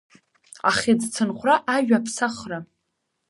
Ахьыӡцынхәра ажәаԥсахра…